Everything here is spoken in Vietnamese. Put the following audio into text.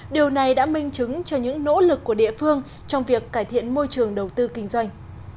điều này đã minh chứng cho những nỗ lực của địa phương trong việc cải thiện môi trường đầu tư kinh doanh